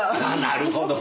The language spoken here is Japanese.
なるほど。